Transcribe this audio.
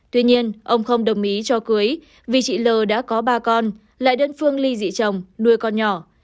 tuy nhiên ông không đồng ý cho cưới vì chị l đã có ba con lại đơn phương ly dị trồng nuôi con nhỏ